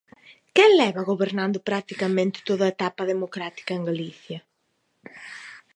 ¿Quen leva gobernando practicamente toda a etapa democrática en Galicia?